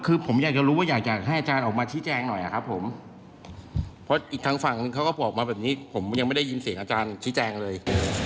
เขาก็บอกมาแบบนี้ผมยังไม่ได้ยินเสียงอาจารย์ชิ้นแจงเลย